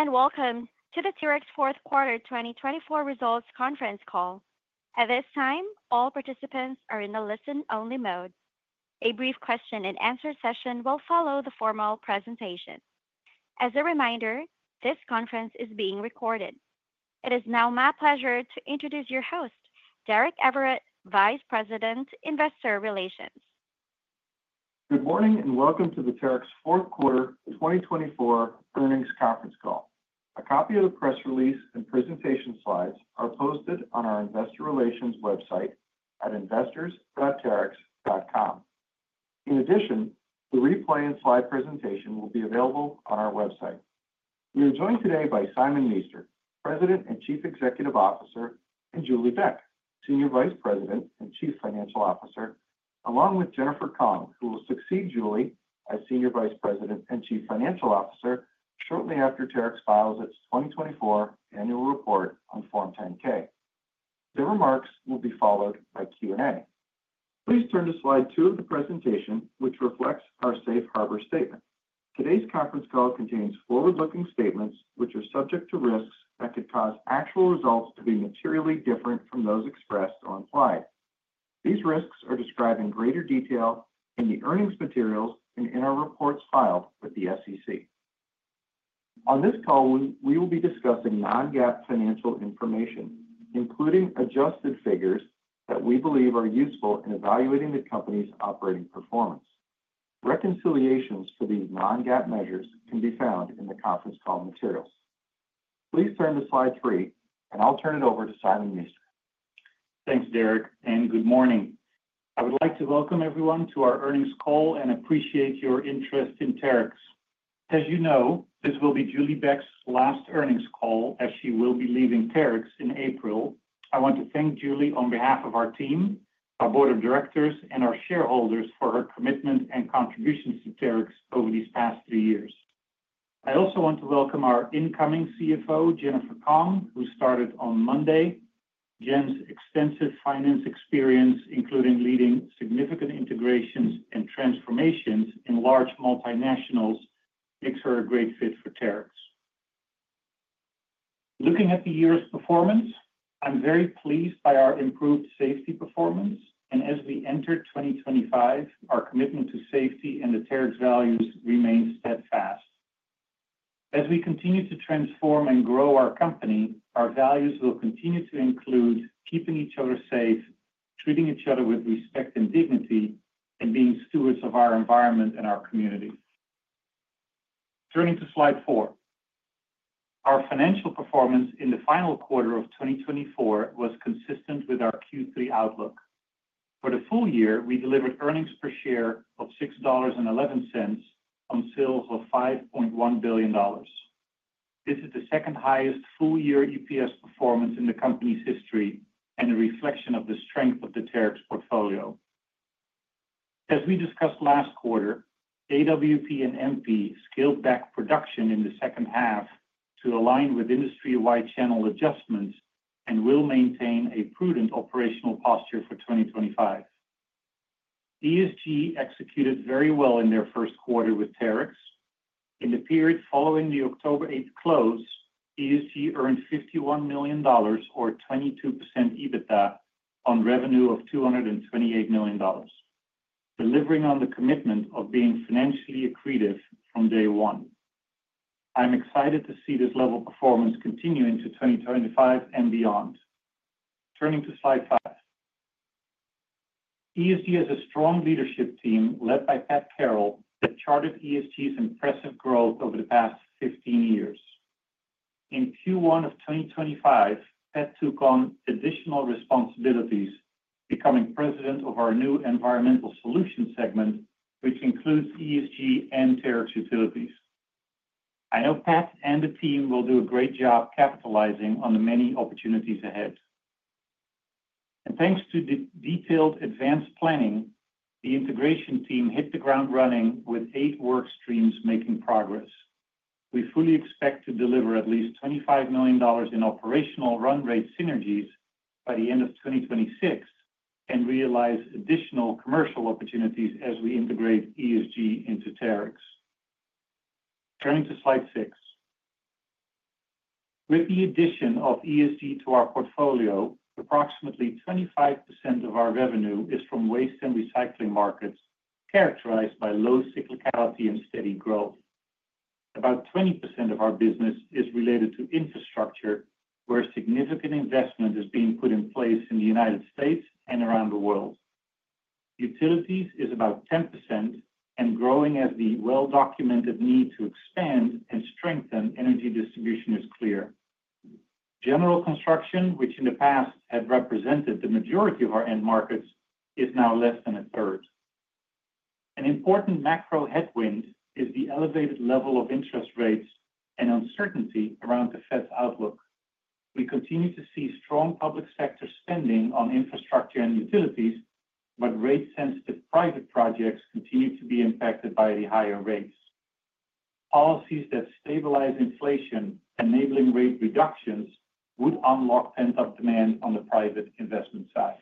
Greetings and welcome to the Terex Q4 2024 Results Conference call. It is now my pleasure to introduce your host, Derek Everitt, Vice President, Investor Relations. Good morning and welcome to the Terex Q4 2024 Earnings Conference Call. A copy of the press release and presentation slides are posted on our Investor Relations website at investors.terex.com. In addition, the replay and slide presentation will be available on our website. We are joined today by Simon Meester, President and Chief Executive Officer, and Julie Beck, Senior Vice President and Chief Financial Officer, along with Jennifer Kong, who will succeed Julie as Senior Vice President and Chief Financial Officer shortly after Terex files its 2024 Annual Report on Form 10-K. The remarks will be followed by Q&A. Please turn to slide two of the presentation, which reflects our Safe Harbor statement. Today's conference call contains forward-looking statements which are subject to risks that could cause actual results to be materially different from those expressed or implied. These risks are described in greater detail in the earnings materials and in our reports filed with the SEC. On this call, we will be discussing Non-GAAP financial information, including adjusted figures that we believe are useful in evaluating the company's operating performance. Reconciliations for these Non-GAAP measures can be found in the conference call materials. Please turn to slide three, and I'll turn it over to Simon Meester. Thanks, Derek, and good morning. I would like to welcome everyone to our earnings call and appreciate your interest in Terex. As you know, this will be Julie Beck's last earnings call as she will be leaving Terex in April. I want to thank Julie on behalf of our team, our board of directors, and our shareholders for her commitment and contributions to Terex over these past three years. I also want to welcome our incoming CFO, Jennifer Kong, who started on Monday. Jen's extensive finance experience, including leading significant integrations and transformations in large multinationals, makes her a great fit for Terex. Looking at the year's performance, I'm very pleased by our improved safety performance, and as we enter 2025, our commitment to safety and the Terex values remain steadfast. As we continue to transform and grow our company, our values will continue to include keeping each other safe, treating each other with respect and dignity, and being stewards of our environment and our community. Turning to slide four, our financial performance in the final quarter of 2024 was consistent with our Q3 outlook. For the full year, we delivered earnings per share of $6.11 on sales of $5.1 billion. This is the second highest full-year EPS performance in the company's history and a reflection of the strength of the Terex portfolio. As we discussed last quarter, AWP and MP scaled back production in the second half to align with industry-wide channel adjustments and will maintain a prudent operational posture for 2025. ESG executed very well in their Q1 with Terex. In the period following the 8 October close, ESG earned $51 million, or 22% EBITDA, on revenue of $228 million, delivering on the commitment of being financially accretive from day one. I'm excited to see this level of performance continue into 2025 and beyond. Turning to slide five, ESG has a strong leadership team led by Pat Carroll that charted ESG's impressive growth over the past 15 years. In Q1 of 2025, Pat took on additional responsibilities, becoming President of our new Environmental Solutions segment, which includes ESG and Terex Utilities. I know Pat and the team will do a great job capitalizing on the many opportunities ahead, and thanks to detailed advanced planning, the integration team hit the ground running with eight work streams making progress. We fully expect to deliver at least $25 million in operational run rate synergies by the end of 2026 and realize additional commercial opportunities as we integrate ESG into Terex. Turning to slide six, with the addition of ESG to our portfolio, approximately 25% of our revenue is from waste and recycling markets characterized by low cyclicality and steady growth. About 20% of our business is related to infrastructure, where significant investment is being put in place in the United States and around the world. Utilities is about 10% and growing as the well-documented need to expand and strengthen energy distribution is clear. General construction, which in the past had represented the majority of our end markets, is now less than a third. An important macro headwind is the elevated level of interest rates and uncertainty around the Fed's outlook. We continue to see strong public sector spending on infrastructure and utilities, but rate-sensitive private projects continue to be impacted by the higher rates. Policies that stabilize inflation, enabling rate reductions, would unlock pent-up demand on the private investment side.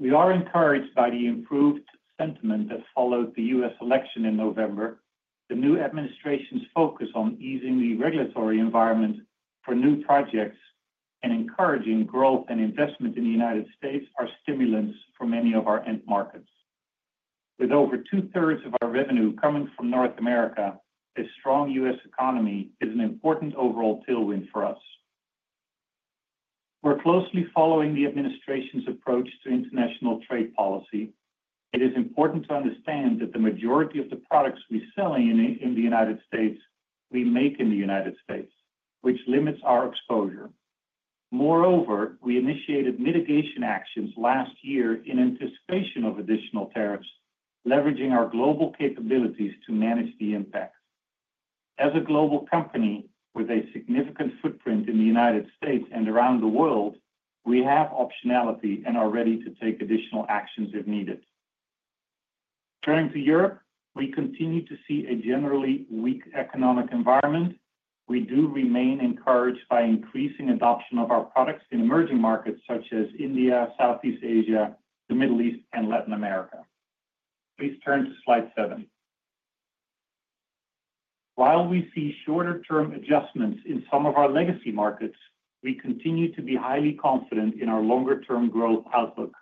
We are encouraged by the improved sentiment that followed the U.S. election in November. The new administration's focus on easing the regulatory environment for new projects and encouraging growth and investment in the United States are stimulants for many of our end markets. With over 2/3 of our revenue coming from North America, a strong U.S. economy is an important overall tailwind for us. We're closely following the administration's approach to international trade policy. It is important to understand that the majority of the products we're selling in the United States we make in the United States, which limits our exposure. Moreover, we initiated mitigation actions last year in anticipation of additional tariffs, leveraging our global capabilities to manage the impact. As a global company with a significant footprint in the United States and around the world, we have optionality and are ready to take additional actions if needed. Turning to Europe, we continue to see a generally weak economic environment. We do remain encouraged by increasing adoption of our products in emerging markets such as India, Southeast Asia, the Middle East, and Latin America. Please turn to slide seven. While we see shorter-term adjustments in some of our legacy markets, we continue to be highly confident in our longer-term growth outlook.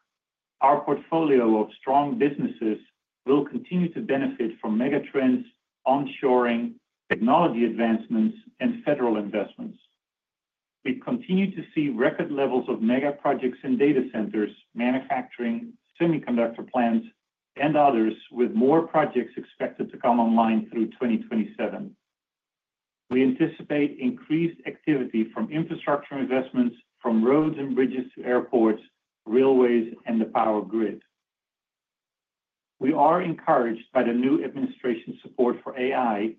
Our portfolio of strong businesses will continue to benefit from megatrends, onshoring, technology advancements, and federal investments. We continue to see record levels of megaprojects in data centers, manufacturing, semiconductor plants, and others, with more projects expected to come online through 2027. We anticipate increased activity from infrastructure investments, from roads and bridges to airports, railways, and the power grid. We are encouraged by the new administration's support for AI,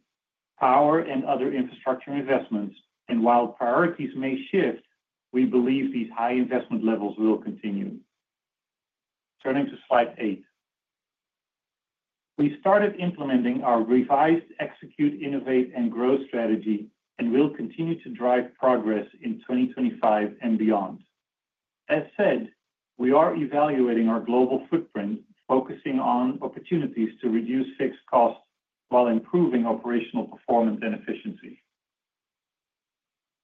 power, and other infrastructure investments, and while priorities may shift, we believe these high investment levels will continue. Turning to slide eight, we started implementing our revised Execute, Innovate, and Grow strategy and will continue to drive progress in 2025 and beyond. As said, we are evaluating our global footprint, focusing on opportunities to reduce fixed costs while improving operational performance and efficiency.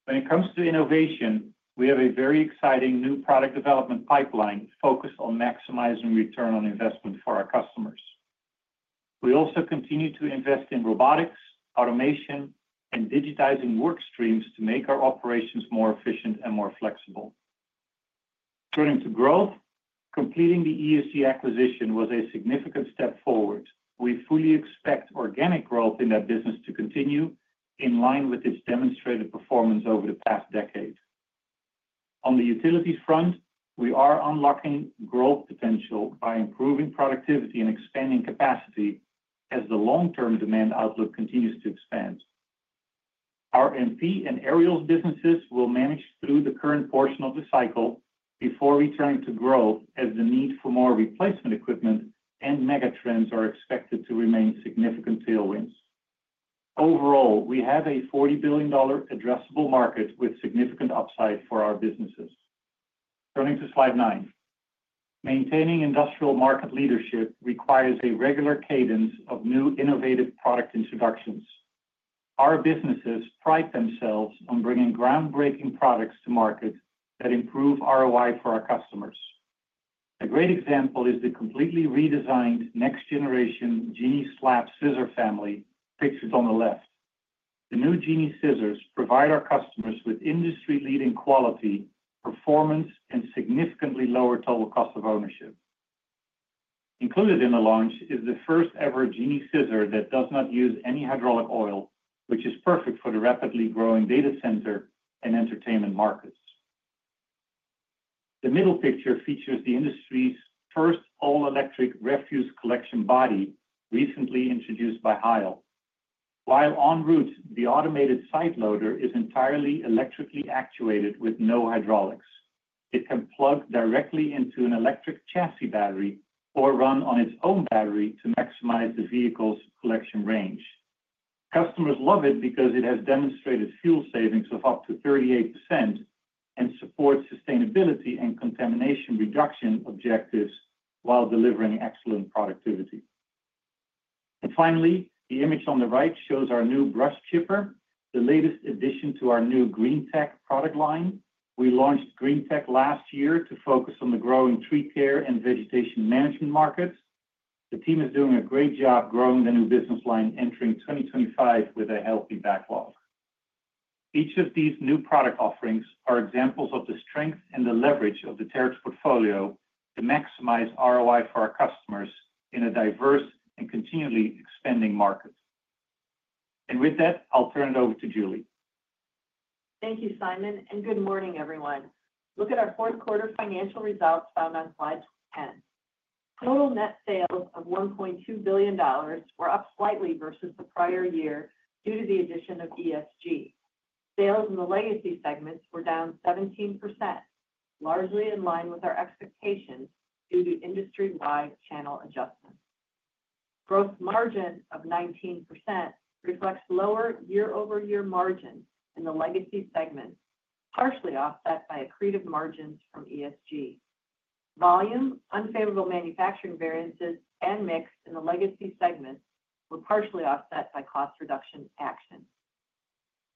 When it comes to innovation, we have a very exciting new product development pipeline focused on maximizing return on investment for our customers. We also continue to invest in robotics, automation, and digitizing work streams to make our operations more efficient and more flexible. Turning to growth, completing the ESG acquisition was a significant step forward. We fully expect organic growth in that business to continue in line with its demonstrated performance over the past decade. On the utilities front, we are unlocking growth potential by improving productivity and expanding capacity as the long-term demand outlook continues to expand. Our MP and Aerials businesses will manage through the current portion of the cycle before returning to growth as the need for more replacement equipment and megatrends are expected to remain significant tailwinds. Overall, we have a $40 billion addressable market with significant upside for our businesses. Turning to slide nine, maintaining industrial market leadership requires a regular cadence of new innovative product introductions. Our businesses pride themselves on bringing groundbreaking products to market that improve ROI for our customers. A great example is the completely redesigned next-generation Genie Slab Scissor family pictured on the left. The new Genie Scissors provide our customers with industry-leading quality, performance, and significantly lower total cost of ownership. Included in the launch is the first-ever Genie Scissor that does not use any hydraulic oil, which is perfect for the rapidly growing data center and entertainment markets. The middle picture features the industry's first all-electric refuse collection body, recently introduced by Heil. While en route, the automated side loader is entirely electrically actuated with no hydraulics. It can plug directly into an electric chassis battery or run on its own battery to maximize the vehicle's collection range. Customers love it because it has demonstrated fuel savings of up to 38% and supports sustainability and contamination reduction objectives while delivering excellent productivity. And finally, the image on the right shows our new brush chipper, the latest addition to our new Green-Tec product line. We launched Green-Tec last year to focus on the growing tree care and vegetation management markets. The team is doing a great job growing the new business line, entering 2025 with a healthy backlog. Each of these new product offerings are examples of the strength and the leverage of the Terex portfolio to maximize ROI for our customers in a diverse and continually expanding market. And with that, I'll turn it over to Julie. Thank you, Simon, and good morning, everyone. Look at our Q4 financial results found on slide 10. Total net sales of $1.2 billion were up slightly versus the prior year due to the addition of ESG. Sales in the legacy segments were down 17%, largely in line with our expectations due to industry-wide channel adjustments. Gross margin of 19% reflects lower year-over-year margins in the legacy segment, partially offset by accretive margins from ESG. Volume, unfavorable manufacturing variances, and mix in the legacy segment were partially offset by cost reduction actions.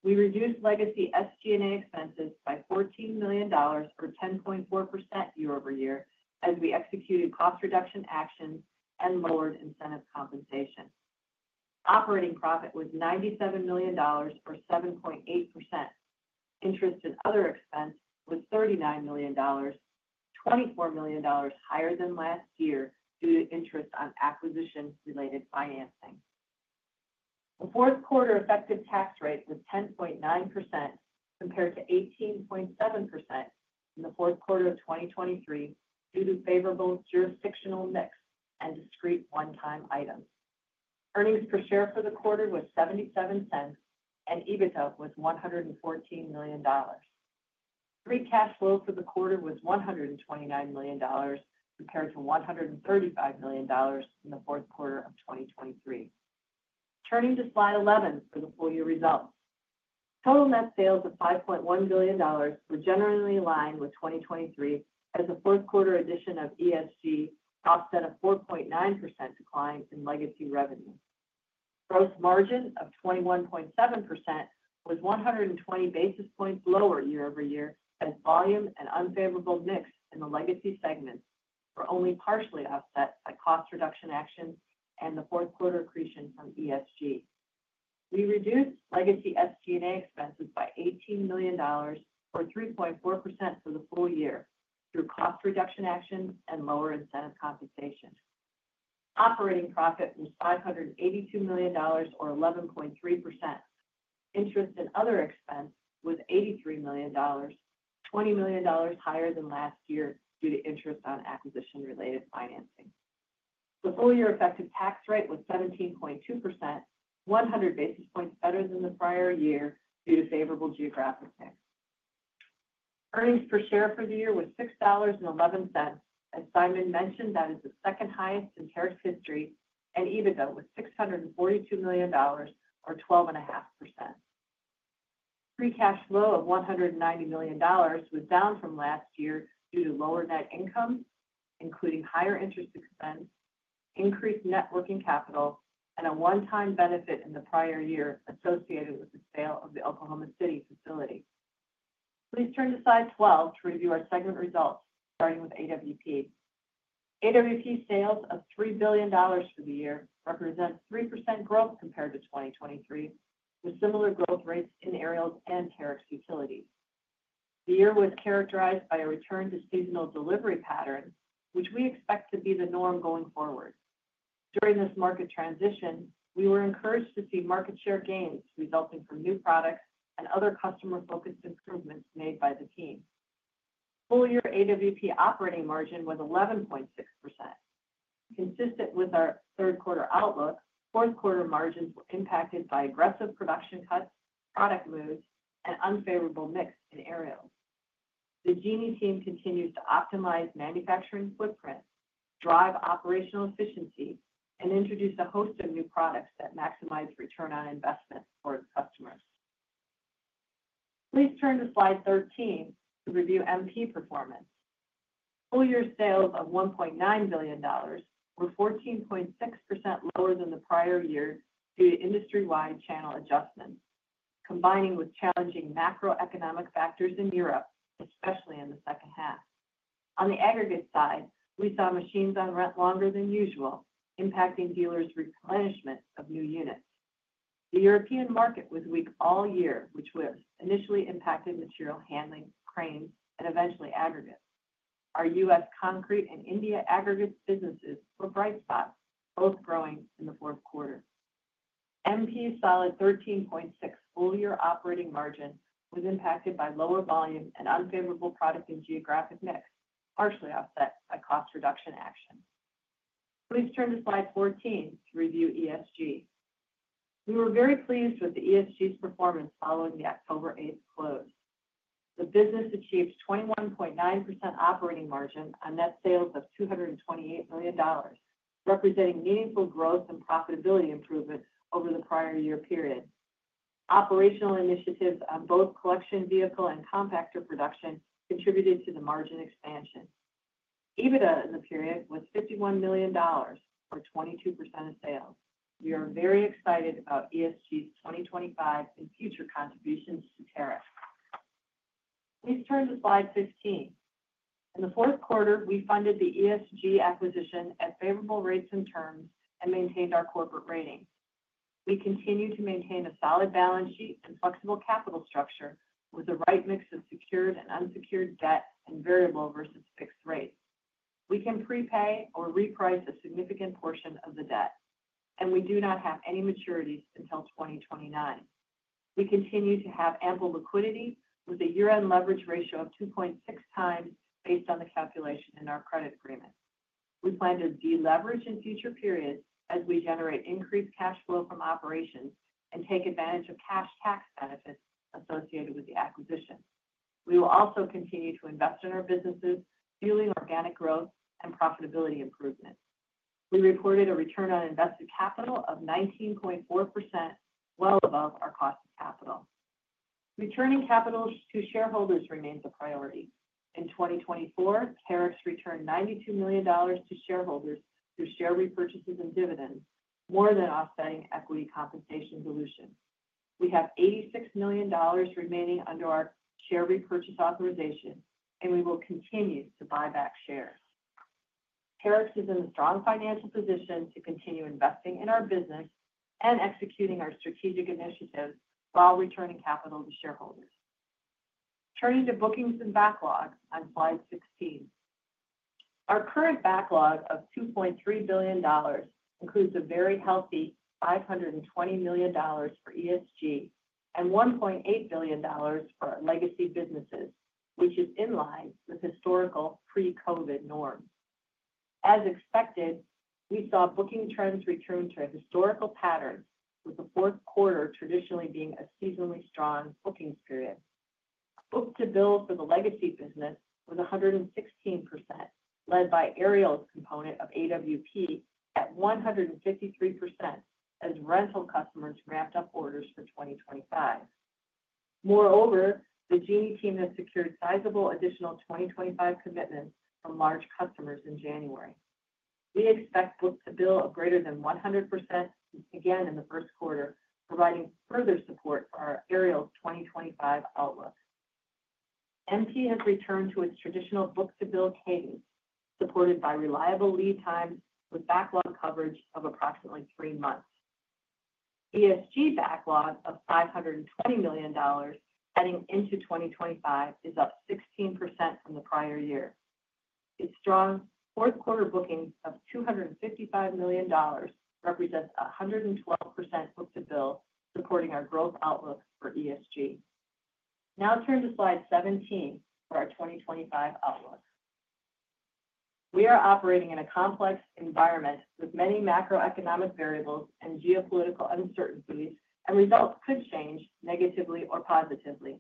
We reduced legacy SG&A expenses by $14 million, or 10.4% year-over-year, as we executed cost reduction actions and lowered incentive compensation. Operating profit was $97 million, or 7.8%. Interest and other expenses were $39 million, $24 million higher than last year due to interest on acquisition-related financing. The Q4 effective tax rate was 10.9% compared to 18.7% in the Q4 of 2023 due to favorable jurisdictional mix and discrete one-time items. Earnings per share for the quarter was $0.77, and EBITDA was $114 million. Free cash flow for the quarter was $129 million compared to $135 million in the Q4 of 2023. Turning to slide 11 for the full-year results, total net sales of $5.1 billion were generally aligned with 2023 as the Q4 addition of ESG offset a 4.9% decline in legacy revenue. Gross margin of 21.7% was 120 basis points lower year-over-year as volume and unfavorable mix in the legacy segments were only partially offset by cost reduction actions and the Q4 accretion from ESG. We reduced legacy SG&A expenses by $18 million, or 3.4% for the full year, through cost reduction actions and lower incentive compensation. Operating profit was $582 million, or 11.3%. Interest and other expenses were $83 million, $20 million higher than last year due to interest on acquisition-related financing. The full-year effective tax rate was 17.2%, 100 basis points better than the prior year due to favorable geographic mix. Earnings per share for the year was $6.11, as Simon mentioned that is the second highest in Terex history, and EBITDA was $642 million, or 12.5%. Free cash flow of $190 million was down from last year due to lower net income, including higher interest expense, increased working capital, and a one-time benefit in the prior year associated with the sale of the Oklahoma City facility. Please turn to slide 12 to review our segment results, starting with AWP. AWP sales of $3 billion for the year represent 3% growth compared to 2023, with similar growth rates in Aerials and Terex Utilities. The year was characterized by a return to seasonal delivery pattern, which we expect to be the norm going forward. During this market transition, we were encouraged to see market share gains resulting from new products and other customer-focused improvements made by the team. Full-year AWP operating margin was 11.6%. Consistent with our Q3 outlook, Q4 margins were impacted by aggressive production cuts, product moves, and unfavorable mix in Aerials. The Genie team continues to optimize manufacturing footprint, drive operational efficiency, and introduce a host of new products that maximize return on investment for customers. Please turn to slide 13 to review MP performance. Full-year sales of $1.9 billion were 14.6% lower than the prior year due to industry-wide channel adjustments, combining with challenging macroeconomic factors in Europe, especially in the second half. On the aggregate side, we saw machines on rent longer than usual, impacting dealers' replenishment of new units. The European market was weak all year, which initially impacted material handling, cranes, and eventually aggregates. Our U.S. concrete and India aggregate businesses were bright spots, both growing in the Q4. MP's solid 13.6 full-year operating margin was impacted by lower volume and unfavorable product and geographic mix, partially offset by cost reduction actions. Please turn to slide 14 to review ESG. We were very pleased with the ESG's performance following the 8 October close. The business achieved 21.9% operating margin on net sales of $228 million, representing meaningful growth and profitability improvement over the prior year period. Operational initiatives on both collection vehicle and compactor production contributed to the margin expansion. EBITDA in the period was $51 million, or 22% of sales. We are very excited about ESG's 2025 and future contributions to Terex. Please turn to slide 15. In the Q4, we funded the ESG acquisition at favorable rates and terms and maintained our corporate rating. We continue to maintain a solid balance sheet and flexible capital structure with the right mix of secured and unsecured debt and variable versus fixed rates. We can prepay or reprice a significant portion of the debt, and we do not have any maturities until 2029. We continue to have ample liquidity with a year-end leverage ratio of 2.6x based on the calculation in our credit agreement. We plan to deleverage in future periods as we generate increased cash flow from operations and take advantage of cash tax benefits associated with the acquisition. We will also continue to invest in our businesses, fueling organic growth and profitability improvement. We reported a return on invested capital of 19.4%, well above our cost of capital. Returning capital to shareholders remains a priority. In 2024, Terex returned $92 million to shareholders through share repurchases and dividends, more than offsetting equity compensation dilution. We have $86 million remaining under our share repurchase authorization, and we will continue to buy back shares. Terex is in a strong financial position to continue investing in our business and executing our strategic initiatives while returning capital to shareholders. Turning to bookings and backlog on slide 16. Our current backlog of $2.3 billion includes a very healthy $520 million for ESG and $1.8 billion for our legacy businesses, which is in line with historical pre-COVID norms. As expected, we saw booking trends return to historical patterns, with the Q4 traditionally being a seasonally strong bookings period. Book-to-bill for the legacy business was 116%, led by Aerials component of AWP at 153% as rental customers ramped up orders for 2025. Moreover, the Genie team has secured sizable additional 2025 commitments from large customers in January. We expect book-to-bill of greater than 100% again in the Q1, providing further support for our Aerials 2025 outlook. MP has returned to its traditional book-to-bill cadence, supported by reliable lead times with backlog coverage of approximately three months. ESG backlog of $520 million heading into 2025 is up 16% from the prior year. Its strong Q4 bookings of $255 million represents 112% book-to-bill, supporting our growth outlook for ESG. Now turn to slide 17 for our 2025 outlook. We are operating in a complex environment with many macroeconomic variables and geopolitical uncertainties, and results could change negatively or positively.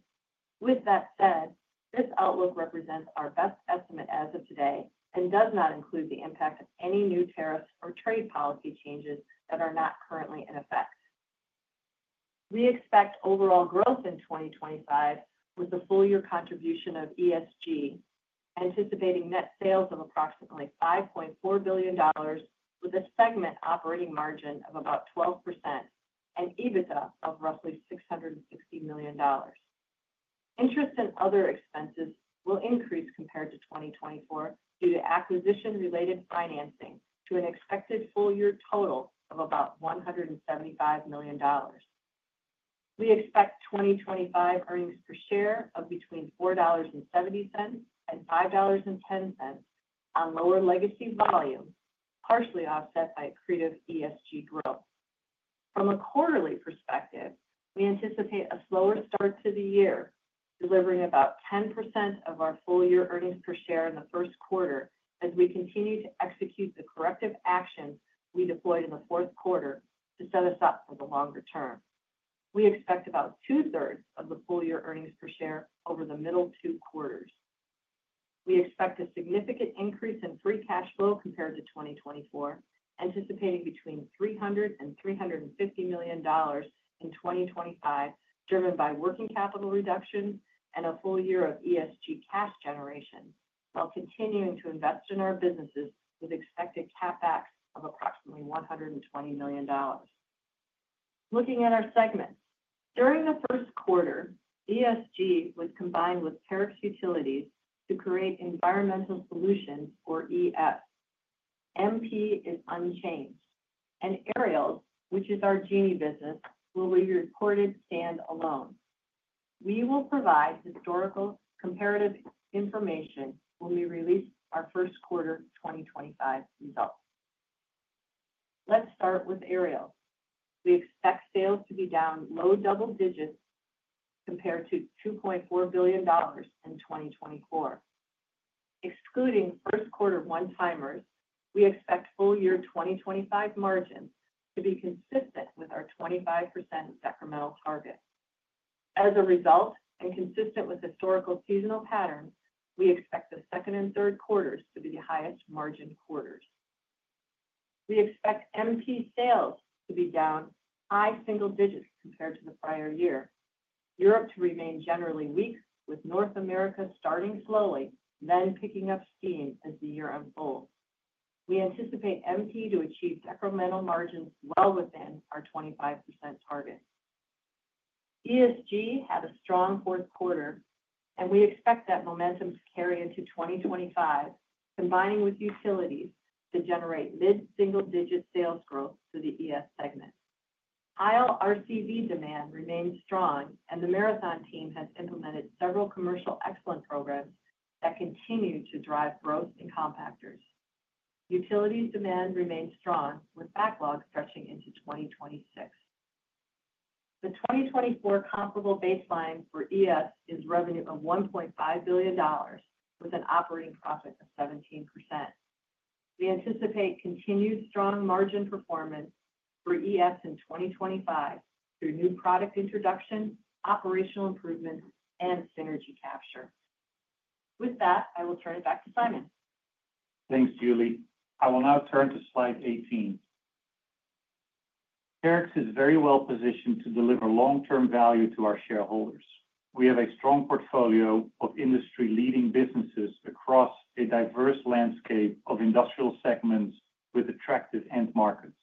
With that said, this outlook represents our best estimate as of today and does not include the impact of any new tariffs or trade policy changes that are not currently in effect. We expect overall growth in 2025 with the full-year contribution of ESG, anticipating net sales of approximately $5.4 billion, with a segment operating margin of about 12% and EBITDA of roughly $660 million. Interest and other expenses will increase compared to 2024 due to acquisition-related financing to an expected full-year total of about $175 million. We expect 2025 earnings per share of between $4.70 and $5.10 on lower legacy volume, partially offset by accretive ESG growth. From a quarterly perspective, we anticipate a slower start to the year, delivering about 10% of our full-year earnings per share in the Q1 as we continue to execute the corrective actions we deployed in the Q4 to set us up for the longer term. We expect about 2/3 of the full-year earnings per share over the middle two quarters. We expect a significant increase in free cash flow compared to 2024, anticipating between $300 and $350 million in 2025, driven by working capital reductions and a full year of ESG cash generation, while continuing to invest in our businesses with expected CapEx of approximately $120 million. Looking at our segments, during the Q1, ESG was combined with Terex Utilities to create Environmental Solutions, or ES. MP is unchanged. And Aerials, which is our Genie business, will be reported standalone. We will provide historical comparative information when we release our Q1 2025 results. Let's start with Aerials. We expect sales to be down low double digits compared to $2.4 billion in 2024. Excluding Q1 one-timers, we expect full-year 2025 margins to be consistent with our 25% incremental target. As a result, and consistent with historical seasonal patterns, we expect the second and Q3 to be the highest margin quarters. We expect MP sales to be down high single digits compared to the prior year, Europe to remain generally weak, with North America starting slowly, then picking up steam as the year unfolds. We anticipate MP to achieve incremental margins well within our 25% target. ESG had a strong Q4, and we expect that momentum to carry into 2025, combining with utilities to generate mid-single digit sales growth for the ES segment. Loader RCV demand remains strong, and the Marathon team has implemented several commercial excellence programs that continue to drive growth in compactors. Utilities demand remains strong, with backlog stretching into 2026. The 2024 comparable baseline for ES is revenue of $1.5 billion, with an operating profit of 17%. We anticipate continued strong margin performance for ES in 2025 through new product introduction, operational improvements, and synergy capture. With that, I will turn it back to Simon. Thanks, Julie. I will now turn to slide 18. Terex is very well positioned to deliver long-term value to our shareholders. We have a strong portfolio of industry-leading businesses across a diverse landscape of industrial segments with attractive end markets.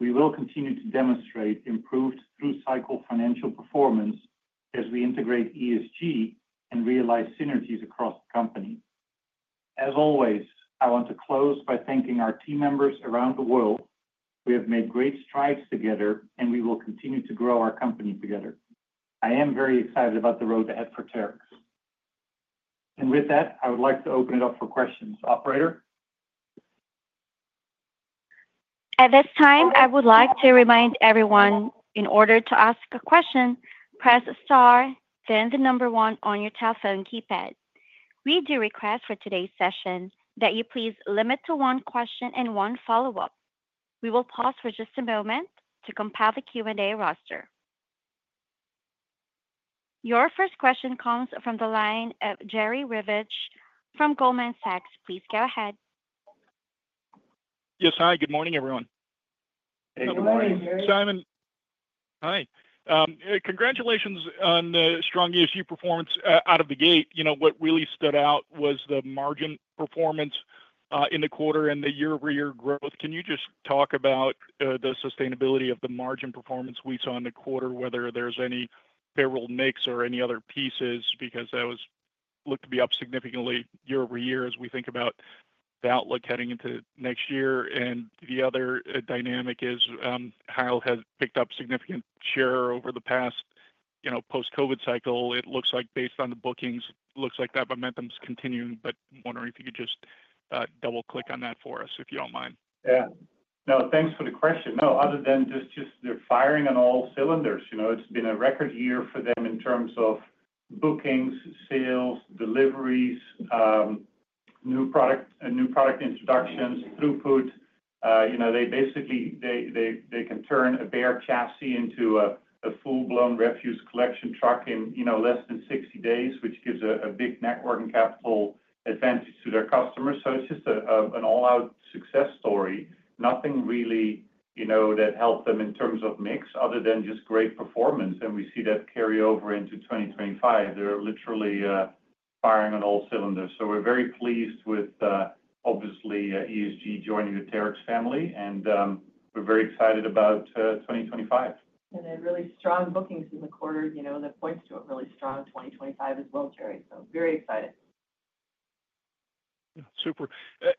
We will continue to demonstrate improved through-cycle financial performance as we integrate ESG and realize synergies across the company. As always, I want to close by thanking our team members around the world. We have made great strides together, and we will continue to grow our company together. I am very excited about the road ahead for Terex. With that, I would like to open it up for questions. Operator? As a reminder for today's session, please limit to one question and one follow-up. We will pause for just a moment to compile the Q&A roster. Your first question comes from the line of Jerry Revich from Goldman Sachs. Please go ahead. Yes, hi. Good morning, everyone. Hey. Good morning, Simon. Hi. Congratulations on the strong ESG performance out of the gate. You know, what really stood out was the margin performance in the quarter and the year-over-year growth. Can you just talk about the sustainability of the margin performance we saw in the quarter, whether there's any payroll mix or any other pieces, because that looked to be up significantly year-over-year as we think about the outlook heading into next year? And the other dynamic is ES has picked up significant share over the past, you know, post-COVID cycle. It looks like, based on the bookings, it looks like that momentum's continuing, but I'm wondering if you could just double-click on that for us, if you don't mind. Yeah. No, thanks for the question. No, other than just they're firing on all cylinders. You know, it's been a record year for them in terms of bookings, sales, deliveries, new product introductions, throughput. You know, they basically can turn a bare chassis into a full-blown refuse collection truck in less than 60 days, which gives a big network and capital advantage to their customers. So it's just an all-out success story. Nothing really, you know, that helped them in terms of mix other than just great performance. And we see that carry over into 2025. They're literally firing on all cylinders. So we're very pleased with, obviously, ESG joining the Terex family, and we're very excited about 2025. And then really strong bookings in the quarter, you know, that points to a really strong 2025 as well, Jerry. So very excited. Super.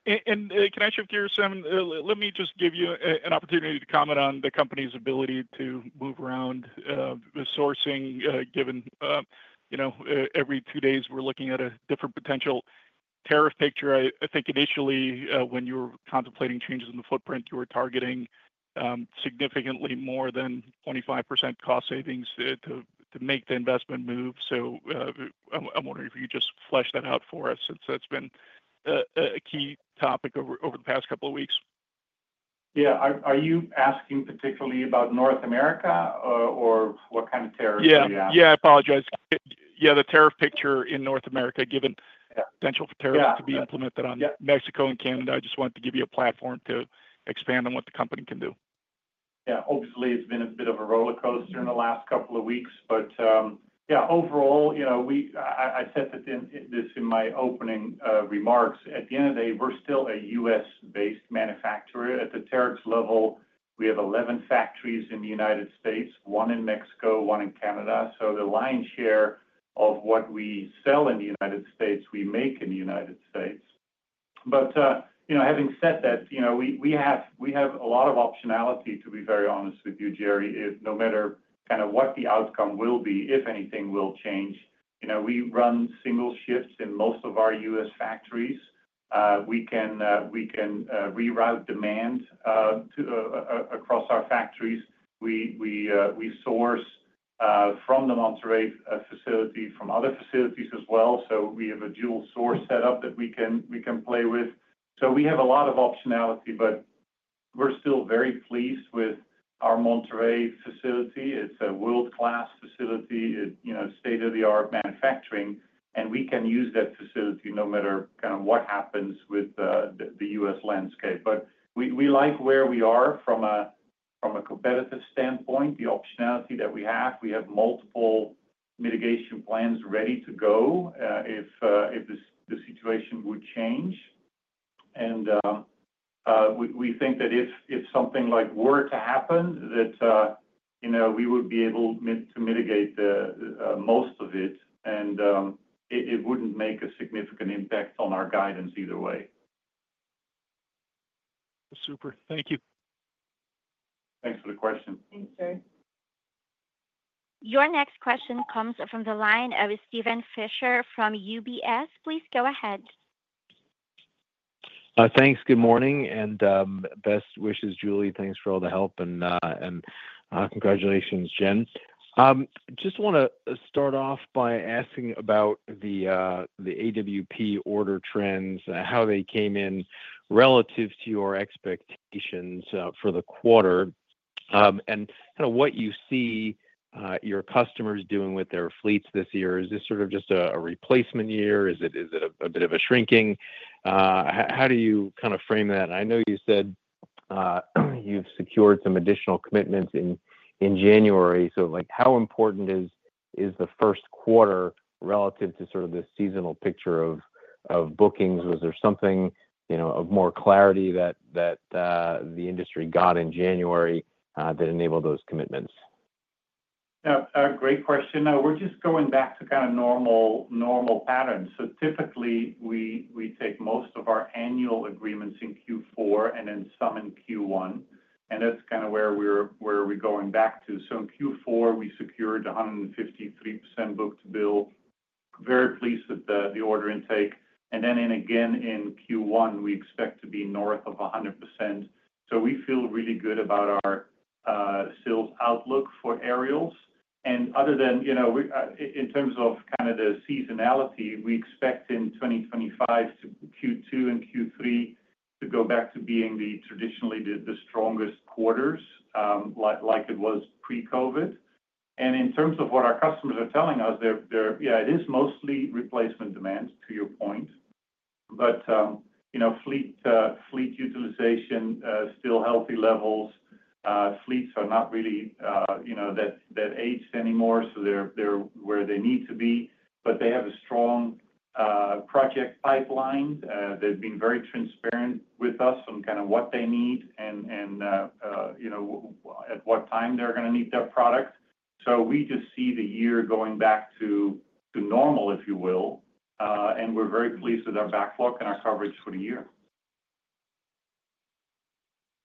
And can I shift gears, Simon? Let me just give you an opportunity to comment on the company's ability to move around the sourcing, given, you know, every two days we're looking at a different potential tariff picture. I think initially, when you were contemplating changes in the footprint, you were targeting significantly more than 25% cost savings to make the investment move. So I'm wondering if you could just flesh that out for us since that's been a key topic over the past couple of weeks. Yeah. Are you asking particularly about North America or what kind of tariffs are you asking? Yeah, yeah, I apologize. Yeah, the tariff picture in North America, given the potential for tariffs to be implemented on Mexico and Canada, I just wanted to give you a platform to expand on what the company can do. Yeah. Obviously, it's been a bit of a roller coaster in the last couple of weeks, but yeah, overall, you know, I said this in my opening remarks. At the end of the day, we're still a U.S.-based manufacturer. At the Terex level, we have 11 factories in the United States, one in Mexico, one in Canada, so the lion's share of what we sell in the United States, we make in the United States, but, you know, having said that, you know, we have a lot of optionality, to be very honest with you, Jerry, no matter kind of what the outcome will be, if anything will change. You know, we run single shifts in most of our U.S. factories. We can reroute demand across our factories. We source from the Monterrey facility, from other facilities as well, so we have a dual source setup that we can play with, so we have a lot of optionality, but we're still very pleased with our Monterrey facility. It's a world-class facility. It's state-of-the-art manufacturing, and we can use that facility no matter kind of what happens with the U.S. landscape. But we like where we are from a competitive standpoint, the optionality that we have. We have multiple mitigation plans ready to go if the situation would change. And we think that if something like were to happen, that, you know, we would be able to mitigate most of it, and it wouldn't make a significant impact on our guidance either way. Super. Thank you. Thanks for the question. Thanks, Jerry. Your next question comes from the line of Steven Fisher from UBS. Please go ahead. Thanks. Good morning and best wishes, Julie. Thanks for all the help and congratulations, Jen. Just want to start off by asking about the AWP order trends, how they came in relative to your expectations for the quarter, and kind of what you see your customers doing with their fleets this year. Is this sort of just a replacement year? Is it a bit of a shrinking? How do you kind of frame that? I know you said you've secured some additional commitments in January. So how important is the Q1 relative to sort of the seasonal picture of bookings? Was there something, you know, of more clarity that the industry got in January that enabled those commitments? Yeah. Great question. We're just going back to kind of normal patterns. So typically, we take most of our annual agreements in Q4 and then some in Q1. And that's kind of where we're going back to. So in Q4, we secured 153% book-to-bill. Very pleased with the order intake. And then again in Q1, we expect to be north of 100%. So we feel really good about our sales outlook for Aerials. Other than, you know, in terms of kind of the seasonality, we expect in 2025 to Q2 and Q3 to go back to being traditionally the strongest quarters like it was pre-COVID. In terms of what our customers are telling us, yeah, it is mostly replacement demand, to your point. But, you know, fleet utilization is still healthy levels. Fleets are not really, you know, that aged anymore, so they're where they need to be. But they have a strong project pipeline. They've been very transparent with us on kind of what they need and, you know, at what time they're going to need their product. So we just see the year going back to normal, if you will. We're very pleased with our backlog and our coverage for the year.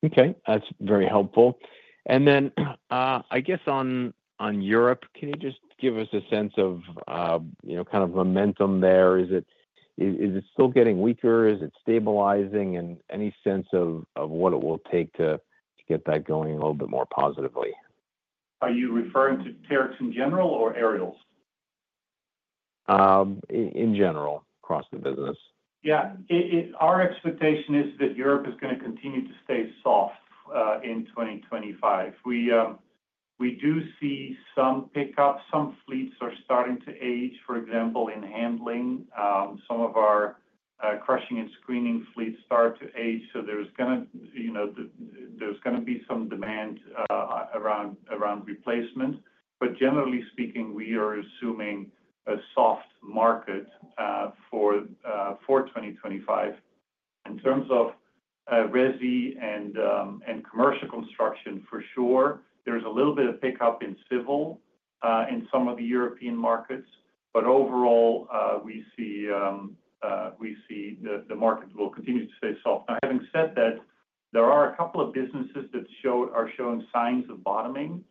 Okay. That's very helpful. And then I guess on Europe, can you just give us a sense of, you know, kind of momentum there? Is it still getting weaker? Is it stabilizing? And any sense of what it will take to get that going a little bit more positively? Are you referring to Terex in general or Aerials? In general, across the business. Yeah. Our expectation is that Europe is going to continue to stay soft in 2025. We do see some pickup. Some fleets are starting to age. For example, in handling, some of our crushing and screening fleets start to age. So there's going to, you know, there's going to be some demand around replacement. But generally speaking, we are assuming a soft market for 2025. In terms of resi and commercial construction, for sure, there's a little bit of pickup in civil in some of the European markets. But overall, we see the market will continue to stay soft. Now, having said that, there are a couple of businesses that are showing signs of bottoming.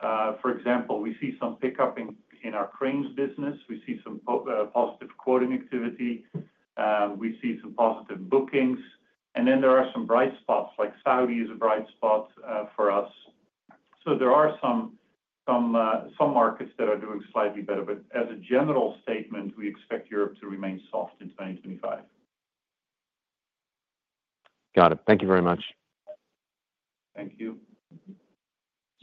For example, we see some pickup in our cranes business. We see some positive quoting activity. We see some positive bookings. And then there are some bright spots, like Saudi is a bright spot for us. So there are some markets that are doing slightly better. But as a general statement, we expect Europe to remain soft in 2025. Got it. Thank you very much. Thank you.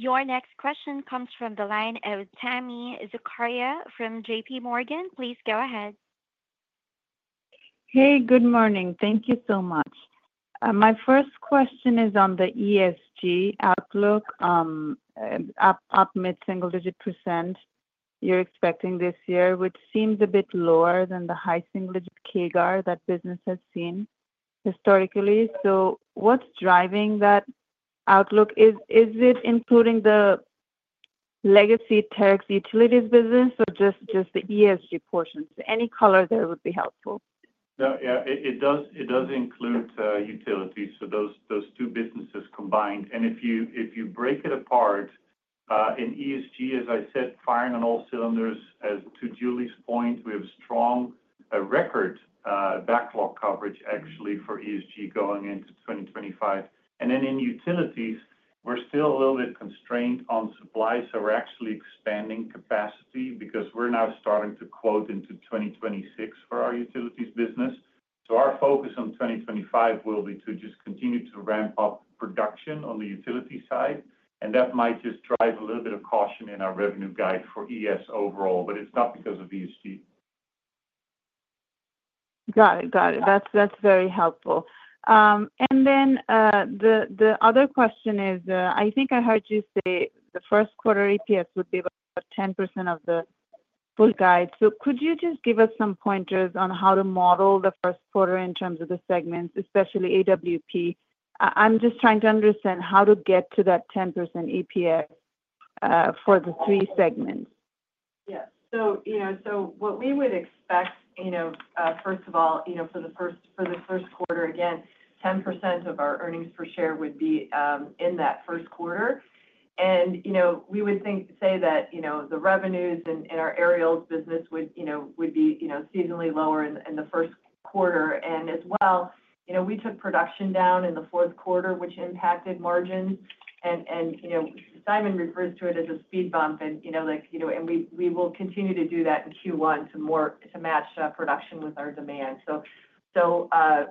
Your next question comes from the line of Tami Zakaria from JPMorgan. Please go ahead. Hey, good morning. Thank you so much. My first question is on the ESG outlook up mid-single-digit percent you're expecting this year, which seems a bit lower than the high single-digit CAGR that business has seen historically. So what's driving that outlook? Is it including the legacy Terex Utilities business or just the ESG portion? So any color there would be helpful. Yeah, it does include utilities. So those two businesses combined. And if you break it apart, in ESG, as I said, firing on all cylinders, as to Julie's point, we have strong record backlog coverage, actually, for ESG going into 2025. And then in utilities, we're still a little bit constrained on supply. So we're actually expanding capacity because we're now starting to quote into 2026 for our utilities business. So our focus on 2025 will be to just continue to ramp up production on the utility side. And that might just drive a little bit of caution in our revenue guide for ES overall, but it's not because of ESG. Got it. Got it. That's very helpful. And then the other question is, I think I heard you say the Q1 EPS would be about 10% of the full guide. So could you just give us some pointers on how to model the Q1 in terms of the segments, especially AWP? I'm just trying to understand how to get to that 10% EPS for the three segments. Yes. So, you know, so what we would expect, you know, first of all, you know, for the Q1, again, 10% of our earnings per share would be in that Q1. And, you know, we would say that, you know, the revenues in our Aerials business would, you know, be seasonally lower in the Q1. And as well, you know, we took production down in the Q4, which impacted margins. And, you know, Simon refers to it as a speed bump. And, you know, we will continue to do that in Q1 to match production with our demand. So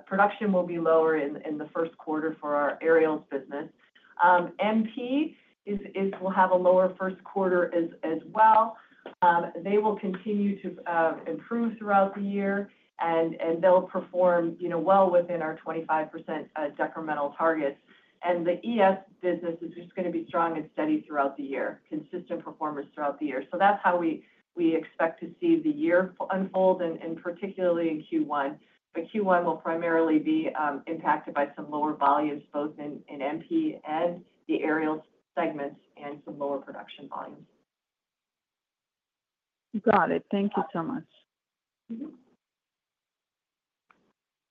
production will be lower in the Q1 for our Aerials business. MP will have a lower Q1 as well. They will continue to improve throughout the year, and they'll perform well within our 25% decremental targets. And the ES business is just going to be strong and steady throughout the year, consistent performers throughout the year. So that's how we expect to see the year unfold, and particularly in Q1. But Q1 will primarily be impacted by some lower volumes, both in MP and the Aerials segments, and some lower production volumes. Got it. Thank you so much.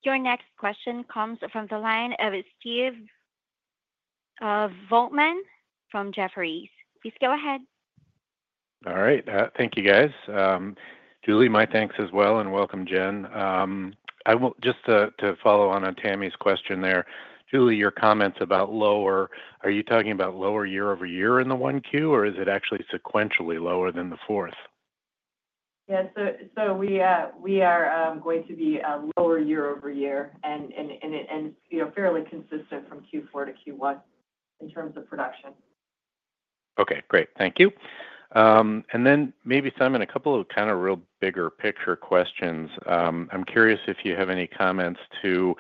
Your next question comes from the line of Stephen Volkmann from Jefferies. Please go ahead. All right. Thank you, guys. Julie, my thanks as well, and welcome, Jen. Just to follow on Tami's question there, Julie, your comments about lower, are you talking about lower year-over-year in the Q1, or is it actually sequentially lower than the fourth? Yeah. So we are going to be lower year-over-year and fairly consistent from Q4 to Q1 in terms of production. Okay. Great. Thank you. And then maybe, Simon, a couple of kind of really big picture questions. I'm curious if you have any comments to,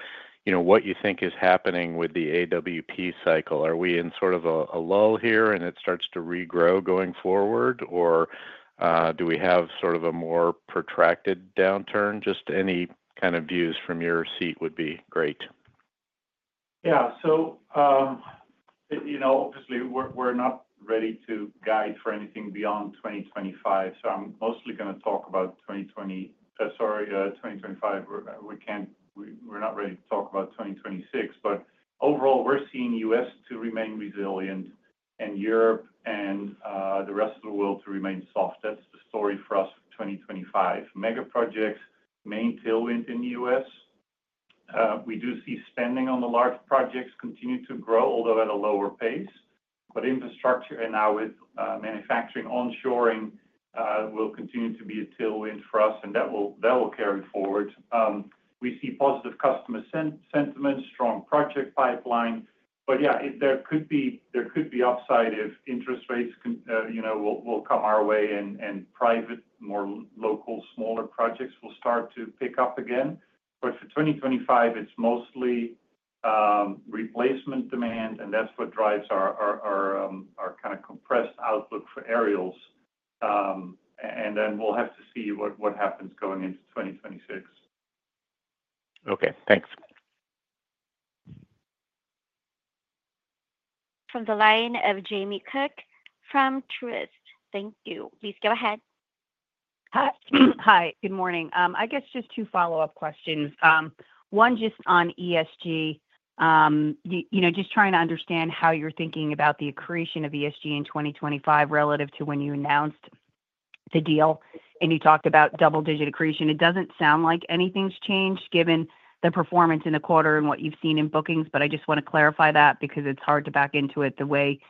you know, what you think is happening with the AWP cycle. Are we in sort of a lull here and it starts to regrow going forward, or do we have sort of a more protracted downturn? Just any kind of views from your seat would be great. Yeah. So, you know, obviously, we're not ready to guide for anything beyond 2025. So, I'm mostly going to talk about 2020, sorry, 2025. We're not ready to talk about 2026. But overall, we're seeing U.S. to remain resilient and Europe and the rest of the world to remain soft. That's the story for us for 2025. megaprojects, main tailwind in the U.S. We do see spending on the large projects continue to grow, although at a lower pace. But infrastructure and now with manufacturing onshoring will continue to be a tailwind for us, and that will carry forward. We see positive customer sentiment, strong project pipeline. But yeah, there could be upside if interest rates, you know, will come our way and private, more local, smaller projects will start to pick up again. But for 2025, it's mostly replacement demand, and that's what drives our kind of compressed outlook for Aerials. And then we'll have to see what happens going into 2026. Okay. Thanks. From the line of Jamie Cook from Truist. Thank you. Please go ahead. Hi. Good morning. I guess just two follow-up questions. One just on ESG, you know, just trying to understand how you're thinking about the accretion of ESG in 2025 relative to when you announced the deal and you talked about double-digit accretion. It doesn't sound like anything's changed given the performance in the quarter and what you've seen in bookings, but I just want to clarify that because it's hard to back into it the way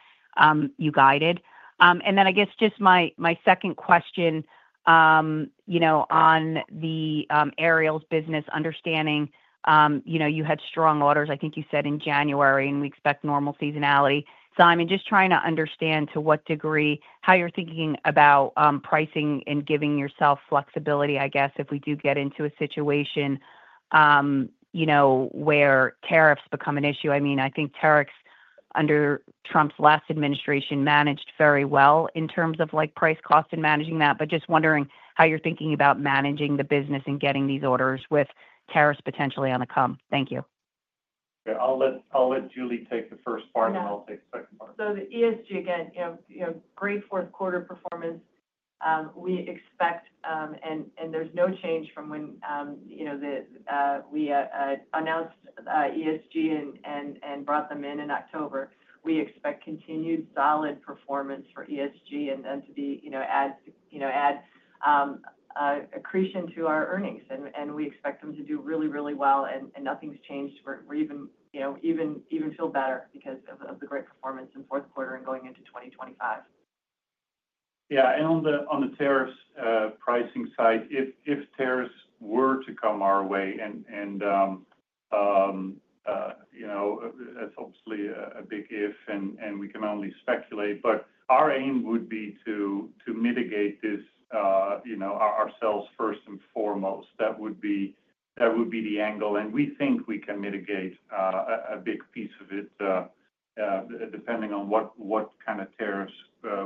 you guided. And then I guess just my second question, you know, on the Aerials business, understanding, you know, you had strong orders, I think you said in January, and we expect normal seasonality. So I'm just trying to understand to what degree how you're thinking about pricing and giving yourself flexibility, I guess, if we do get into a situation, you know, where tariffs become an issue. I mean, I think tariffs under Trump's last administration managed very well in terms of like price-cost and managing that, but just wondering how you're thinking about managing the business and getting these orders with tariffs potentially on the come. Thank you. Okay. I'll let Julie take the first part, and I'll take the second part. So the ESG again, you know, great Q4 performance we expect, and there's no change from when, you know, we announced ESG and brought them in in October. We expect continued solid performance for ESG and then to be, you know, add accretion to our earnings. And we expect them to do really, really well, and nothing's changed. We're even, you know, even feel better because of the great performance in Q4 and going into 2025. Yeah, and on the tariffs pricing side, if tariffs were to come our way, and you know, that's obviously a big if, and we can only speculate, but our aim would be to mitigate this, you know, ourselves first and foremost. That would be the angle. And we think we can mitigate a big piece of it depending on what kind of tariffs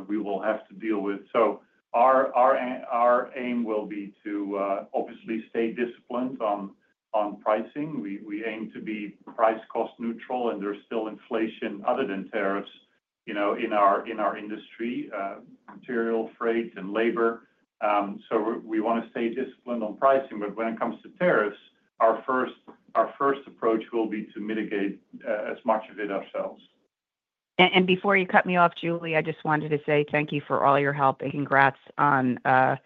we will have to deal with, so our aim will be to obviously stay disciplined on pricing. We aim to be price-cost neutral, and there's still inflation other than tariffs, you know, in our industry, material freight and labor. So we want to stay disciplined on pricing, but when it comes to tariffs, our first approach will be to mitigate as much of it ourselves. And before you cut me off, Julie, I just wanted to say thank you for all your help and congrats on a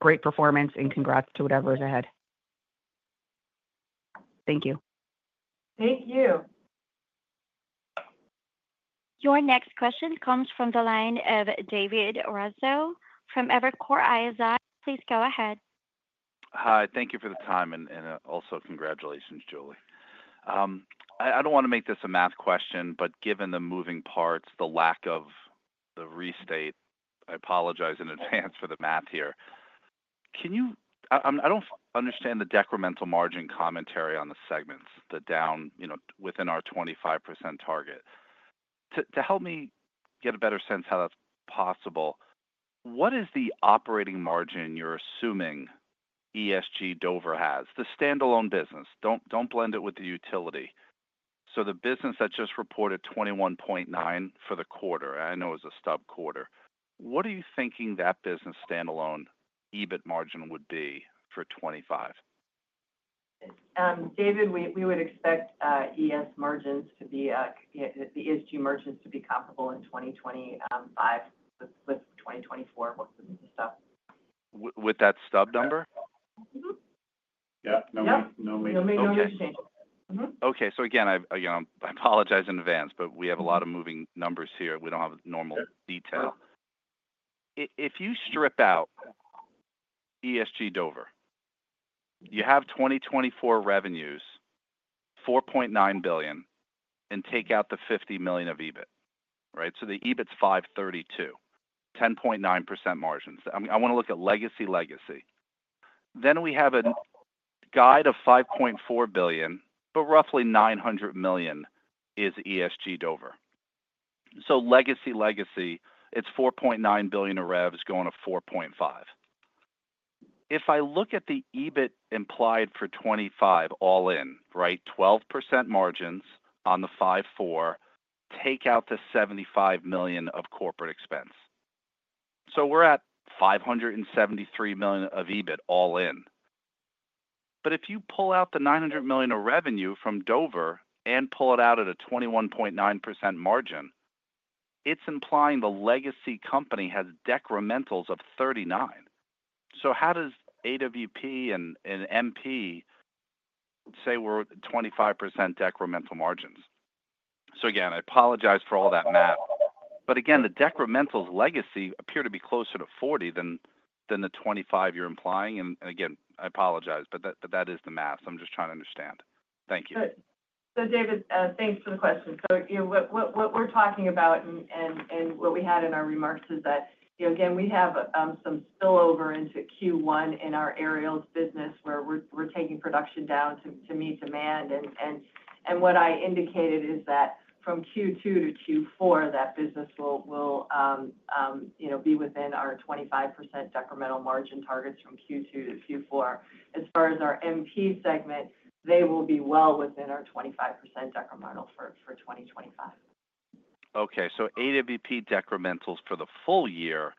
great performance and congrats to whatever is ahead. Thank you. Thank you. Your next question comes from the line of David Raso from Evercore ISI. Please go ahead. Hi. Thank you for the time, and also congratulations, Julie. I don't want to make this a math question, but given the moving parts, the lack of the restate, I apologize in advance for the math here. Can you? I don't understand the decremental margin commentary on the segments, the down, you know, within our 25% target. To help me get a better sense how that's possible, what is the operating margin you're assuming ESG Dover has? The standalone business, don't blend it with the utility. So the business that just reported 21.9% for the quarter, I know it was a stub quarter. What are you thinking that business standalone EBIT margin would be for 2025? David, we would expect ES margins to be, the ESG margins to be comparable in 2025 with 2024, both of the stuff. With that stub number? Yeah. No major changes. Okay. So again, I apologize in advance, but we have a lot of moving numbers here. We don't have normal detail. If you strip out ESG Dover, you have 2024 revenues, $4.9 billion, and take out the $50 million of EBIT, right? So the EBIT's $532 million, 10.9% margins. I want to look at legacy, legacy. Then we have a guide of $5.4 billion, but roughly $900 million is ESG Dover. So legacy, legacy, it's $4.9 billion of revs going to $4.5 billion. If I look at the EBIT implied for 2025 all in, right, 12% margins on the $5.4 billion, take out the $75 million of corporate expense. So we're at $573 million of EBIT all in. But if you pull out the $900 million of revenue from Dover and pull it out at a 21.9% margin, it's implying the legacy company has decrementals of 39%. So how does AWP and MP say we're 25% decremental margins? So again, I apologize for all that math. But again, the decrementals legacy appear to be closer to 40% than the 25% you're implying. And again, I apologize, but that is the math. I'm just trying to understand. Thank you. So David, thanks for the question. So what we're talking about and what we had in our remarks is that, you know, again, we have some spillover into Q1 in our Aerials business where we're taking production down to meet demand. And what I indicated is that from Q2 to Q4, that business will, you know, be within our 25% decremental margin targets from Q2 to Q4. As far as our MP segment, they will be well within our 25% decremental for 2025. Okay. So AWP decrementals for the full year,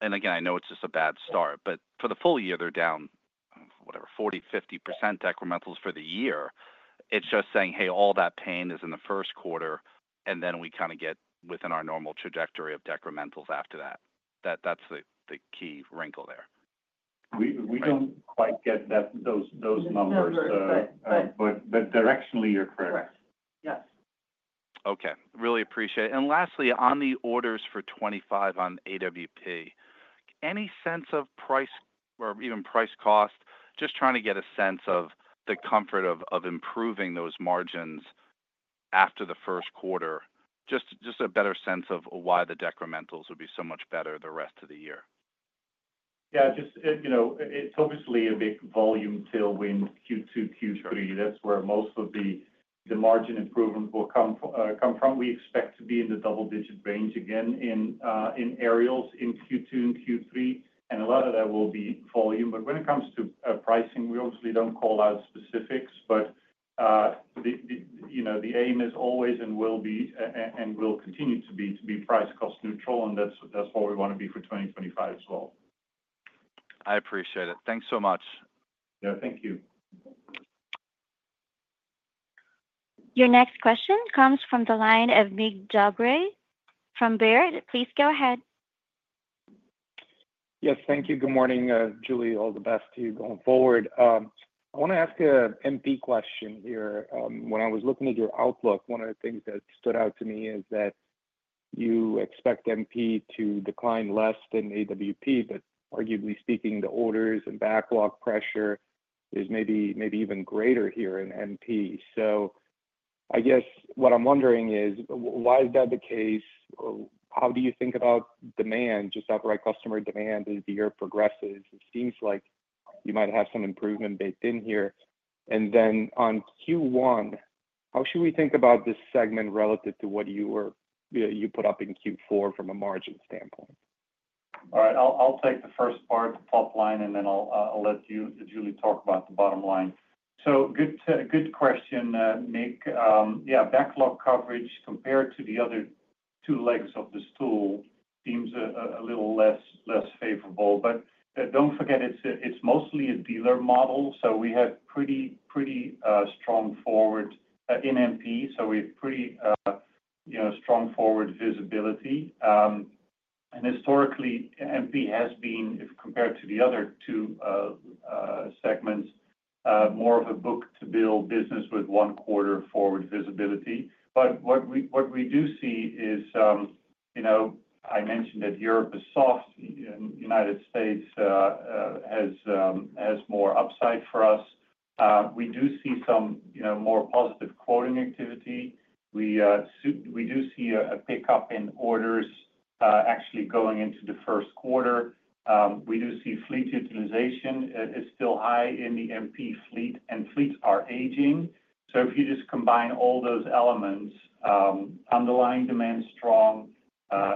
and again, I know it's just a bad start, but for the full year, they're down, whatever, 40% to 50% decrementals for the year. It's just saying, hey, all that pain is in the Q1, and then we kind of get within our normal trajectory of decrementals after that. That's the key wrinkle there. We don't quite get those numbers, but directionally, you're correct. Yes. Okay. Really appreciate it. And lastly, on the orders for 2025 on AWP, any sense of price or even price-cost, just trying to get a sense of the comfort of improving those margins after the Q1, just a better sense of why the decrementals would be so much better the rest of the year. Yeah. Just, you know, it's obviously a big volume tailwind Q2, Q3. That's where most of the margin improvement will come from. We expect to be in the double-digit range again in Aerials in Q2 and Q3, and a lot of that will be volume. But when it comes to pricing, we obviously don't call out specifics, but, you know, the aim is always and will be and will continue to be price-cost neutral, and that's what we want to be for 2025 as well. I appreciate it. Thanks so much. Yeah. Thank you. Your next question comes from the line of Mig Dobre. From Baird, please go ahead. Yes. Thank you. Good morning, Julie. All the best to you going forward. I want to ask an MP question here. When I was looking at your outlook, one of the things that stood out to me is that you expect MP to decline less than AWP, but arguably speaking, the orders and backlog pressure is maybe even greater here in MP. So I guess what I'm wondering is, why is that the case? How do you think about demand, just outright customer demand as the year progresses? It seems like you might have some improvement baked in here. And then on Q1, how should we think about this segment relative to what you put up in Q4 from a margin standpoint? All right. I'll take the first part, the top line, and then I'll let Julie talk about the bottom line. So good question, Mig. Yeah. Backlog coverage compared to the other two legs of the stool seems a little less favorable. But don't forget, it's mostly a dealer model. So we have pretty strong forward in MP. So we have pretty strong forward visibility. And historically, MP has been, if compared to the other two segments, more of a book-to-bill business with one quarter forward visibility. But what we do see is, you know, I mentioned that Europe is soft. The United States has more upside for us. We do see some, you know, more positive quoting activity. We do see a pickup in orders actually going into the Q1. We do see fleet utilization is still high in the MP fleet, and fleets are aging. So if you just combine all those elements, underlying demand strong,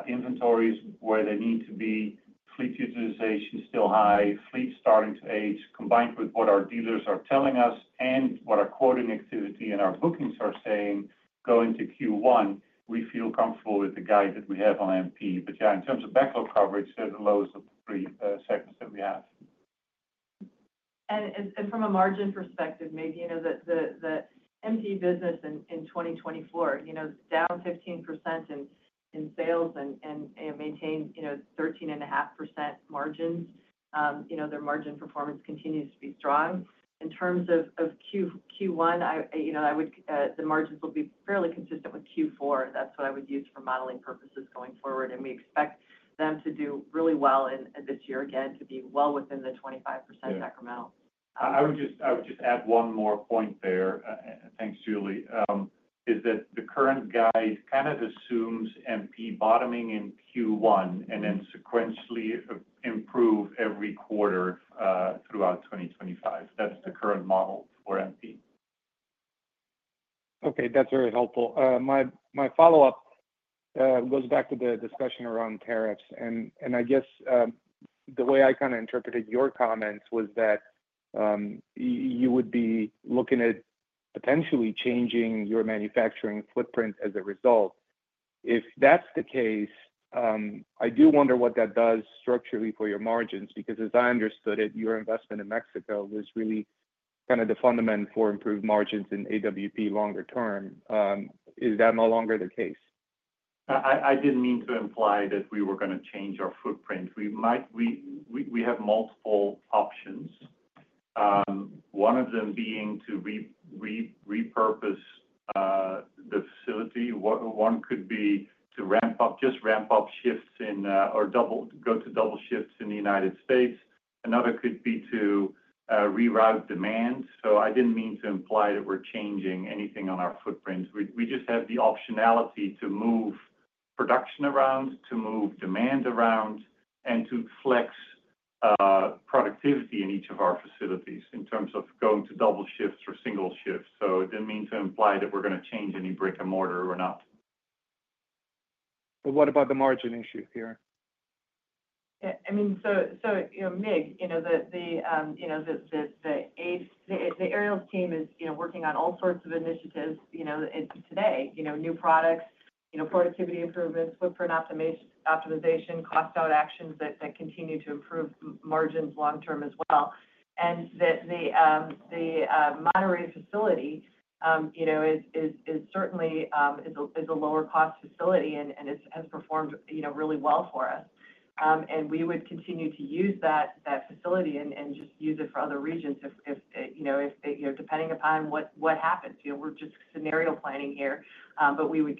inventories where they need to be, fleet utilization still high, fleets starting to age, combined with what our dealers are telling us and what our quoting activity and our bookings are saying going to Q1, we feel comfortable with the guide that we have on MP. But yeah, in terms of backlog coverage, they're the lowest of the three segments that we have. And from a margin perspective, maybe, you know, the MP business in 2024, you know, down 15% in sales and maintained, you know, 13.5% margins. You know, their margin performance continues to be strong. In terms of Q1, you know, the margins will be fairly consistent with Q4. That's what I would use for modeling purposes going forward. And we expect them to do really well this year again, to be well within the 25% incremental. I would just add one more point there. Thanks, Julie. Yes, that the current guide kind of assumes MP bottoming in Q1 and then sequentially improve every quarter throughout 2025. That's the current model for MP. Okay. That's very helpful. My follow-up goes back to the discussion around tariffs, and I guess the way I kind of interpreted your comments was that you would be looking at potentially changing your manufacturing footprint as a result. If that's the case, I do wonder what that does structurally for your margins because as I understood it, your investment in Mexico was really kind of the fundament for improved margins in AWP longer term. Is that no longer the case? I didn't mean to imply that we were going to change our footprint. We have multiple options. One of them being to repurpose the facility. One could be to ramp up, just ramp up shifts in, or go to double shifts in the United States. Another could be to reroute demand. So I didn't mean to imply that we're changing anything on our footprints. We just have the optionality to move production around, to move demand around, and to flex productivity in each of our facilities in terms of going to double shifts or single shifts. So it didn't mean to imply that we're going to change any brick and mortar or not. But what about the margin issue here? I mean, so you know, Mig, you know, the Aerial team is working on all sorts of initiatives, you know, today, you know, new products, you know, productivity improvements, footprint optimization, cost-out actions that continue to improve margins long term as well. And the Monterrey facility, you know, is certainly a lower-cost facility and has performed, you know, really well for us. And we would continue to use that facility and just use it for other regions if, you know, depending upon what happens. You know, we're just scenario planning here, but we would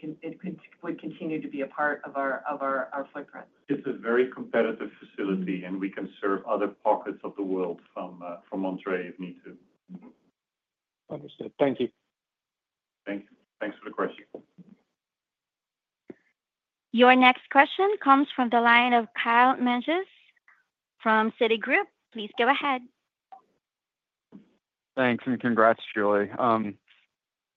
continue to be a part of our footprint. It's a very competitive facility, and we can serve other pockets of the world from Monterrey if need to. Understood. Thank you. Thank you. Thanks for the question. Your next question comes from the line of Kyle Menges from Citigroup. Please go ahead. Thanks. And congrats, Julie.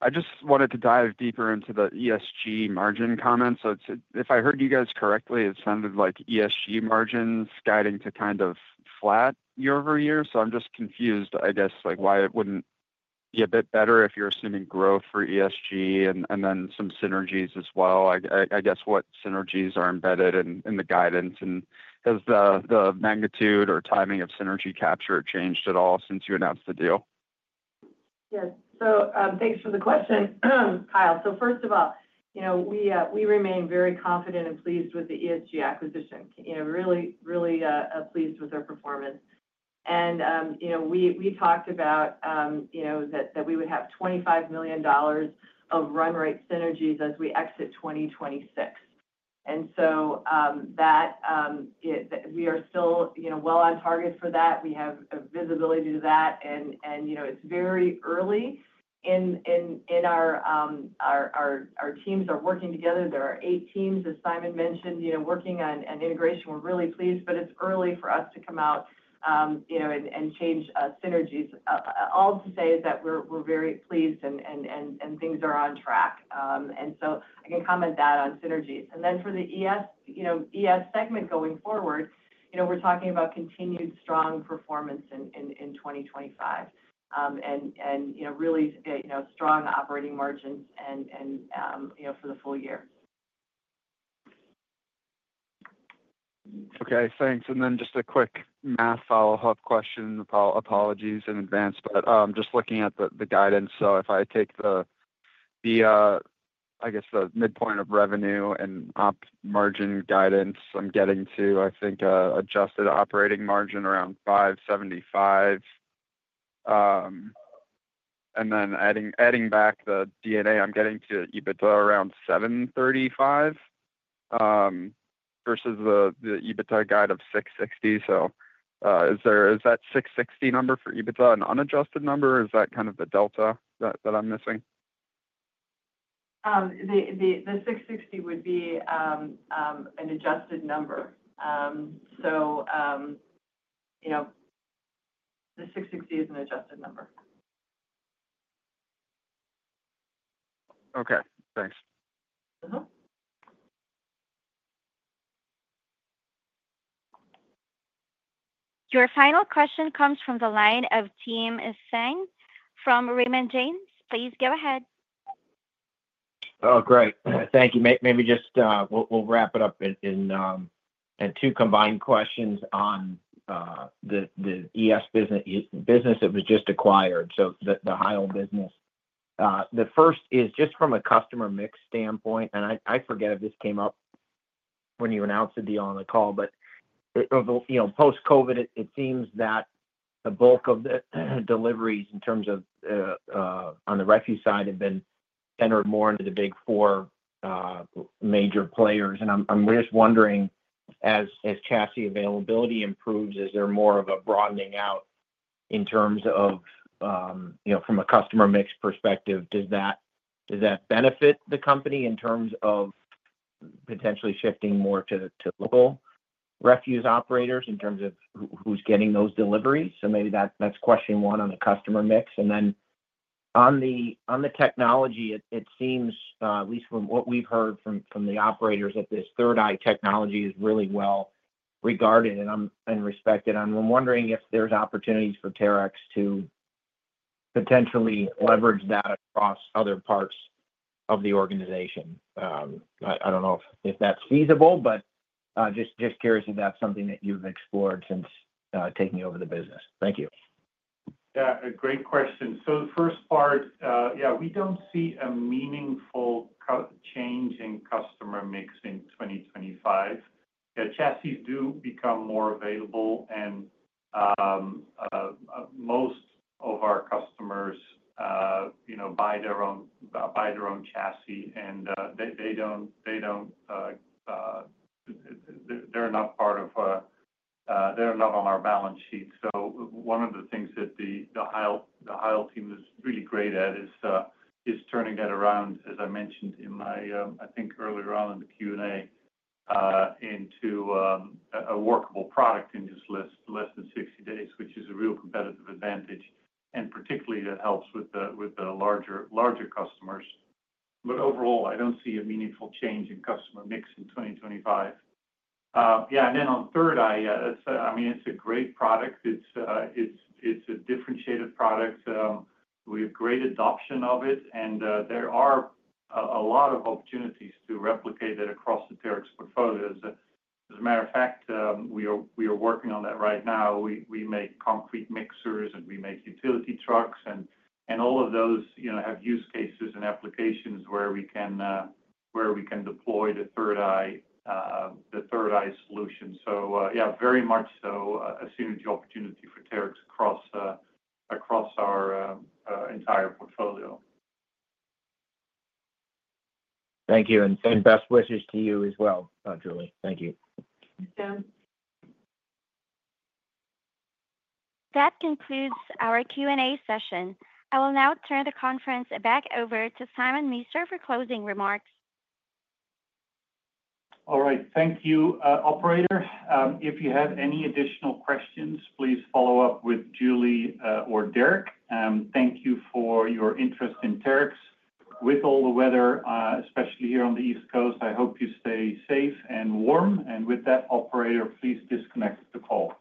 I just wanted to dive deeper into the ESG margin comments. So if I heard you guys correctly, it sounded like ESG margins guiding to kind of flat year-over-year. So I'm just confused, I guess, like why it wouldn't be a bit better if you're assuming growth for ESG and then some synergies as well. I guess what synergies are embedded in the guidance and has the magnitude or timing of synergy capture changed at all since you announced the deal? Yes. So thanks for the question, Kyle. So first of all, you know, we remain very confident and pleased with the ESG acquisition. You know, really, really pleased with our performance. And, you know, we talked about, you know, that we would have $25 million of run rate synergies as we exit 2026. And so that we are still, you know, well on target for that. We have visibility to that. And, you know, it's very early in our teams are working together. There are eight teams, as Simon mentioned, you know, working on integration. We're really pleased, but it's early for us to come out, you know, and comment on synergies. All to say that we're very pleased and things are on track. And so I can comment on that on synergies. And then for the ES, you know, ES segment going forward, you know, we're talking about continued strong performance in 2025 and, you know, really, you know, strong operating margins and, you know, for the full year. Okay. Thanks. And then just a quick math follow-up question. Apologies in advance, but just looking at the guidance. So if I take the, I guess, the midpoint of revenue and op margin guidance, I'm getting to, I think, adjusted operating margin around 575. And then adding back the D&A, I'm getting to EBITDA around 735 versus the EBITDA guide of 660. So is that 660 number for EBITDA an unadjusted number, or is that kind of the delta that I'm missing? The 660 would be an adjusted number. So, you know, the 660 is an adjusted number. Okay. Thanks. Your final question comes from the line of Tim Thein from Raymond James. Please go ahead. Oh, great. Thank you. Maybe just we'll wrap it up in two combined questions on the ES business that was just acquired. So the Heil-owned business. The first is just from a customer mix standpoint. And I forget if this came up when you announced the deal on the call, but, you know, post-COVID, it seems that the bulk of the deliveries in terms of on the refuse side have been centered more into the Big Four major players. And I'm just wondering, as chassis availability improves, is there more of a broadening out in terms of, you know, from a customer mix perspective, does that benefit the company in terms of potentially shifting more to local refuse operators in terms of who's getting those deliveries? So maybe that's question one on the customer mix. And then on the technology, it seems, at least from what we've heard from the operators, that this 3rd Eye technology is really well regarded and respected. And I'm wondering if there's opportunities for Terex to potentially leverage that across other parts of the organization. I don't know if that's feasible, but just curious if that's something that you've explored since taking over the business. Thank you. Yeah. Great question. So the first part, yeah, we don't see a meaningful change in customer mix in 2025. Chassis do become more available, and most of our customers, you know, buy their own chassis, and they're not on our balance sheet. So one of the things that the Heil-owned team is really great at is turning that around, as I mentioned in my, I think, earlier on in the Q&A, into a workable product in just less than 60 days, which is a real competitive advantage. And particularly, that helps with the larger customers. But overall, I don't see a meaningful change in customer mix in 2025. Yeah. And then on 3rd Eye, I mean, it's a great product. It's a differentiated product. We have great adoption of it, and there are a lot of opportunities to replicate that across the Terex portfolio. As a matter of fact, we are working on that right now. We make concrete mixers, and we make utility trucks, and all of those, you know, have use cases and applications where we can deploy the 3rd Eye solution. So yeah, very much so a synergy opportunity for Terex across our entire portfolio. Thank you. And best wishes to you as well, Julie. Thank you. Thank you. That concludes our Q&A session. I will now turn the conference back over to Simon Meester for closing remarks. All right. Thank you, Operator. If you have any additional questions, please follow up with Julie or Derek. Thank you for your interest in Terex. With all the weather, especially here on the East Coast, I hope you stay safe and warm. And with that, Operator, please disconnect the call.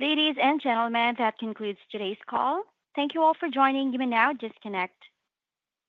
Ladies and gentlemen, that concludes today's call. Thank you all for joining. You may now disconnect.